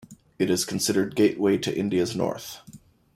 It is considered Gateway to India's North.